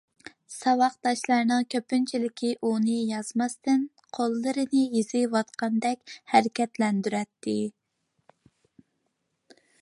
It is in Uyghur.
ساۋاقداشلارنىڭ كۆپچىلىكى ئۇنى يازماستىن، قوللىرىنى يېزىۋاتقاندەك ھەرىكەتلەندۈرەتتى.